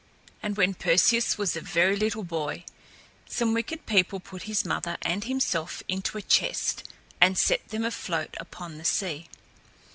And when Perseus was a very little boy, some wicked people put his mother and himself into a chest and set them afloat upon the sea.